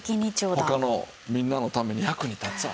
「他のみんなのために役に立つわ。